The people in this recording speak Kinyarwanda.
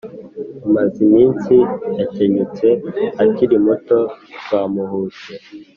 rumaziminsi yakenyutse akiri muto, rwamuhushye